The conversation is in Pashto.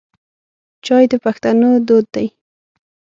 چای د پښتنو دود دی.